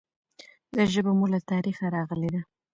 دا ژبه مو له تاریخه راغلي ده.